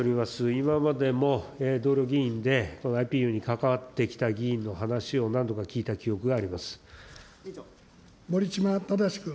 今までも同僚議員でＩＰＵに関わってきた議員の話を何度か聞いた守島正君。